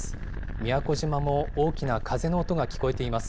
宮古島も大きな風の音が聞こえています。